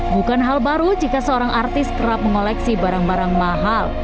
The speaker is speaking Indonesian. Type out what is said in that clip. bukan hal baru jika seorang artis kerap mengoleksi barang barang mahal